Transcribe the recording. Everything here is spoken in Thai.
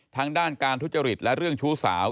ทั้งด้านการทุจริตและเรื่องชู้สาว